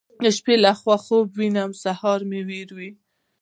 د شپې له خوا خوب وینم سهار مې هېروي.